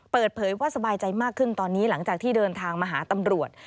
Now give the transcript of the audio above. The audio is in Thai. เปิดเผยว่าสบายใจมากขึ้นตอนนี้หลังจากที่เดินทางมาหาตำรวจ